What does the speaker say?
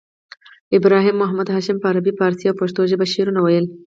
ابو محمد هاشم په عربي، پاړسي او پښتو ژبه شعرونه ویل.